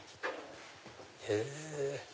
へぇ。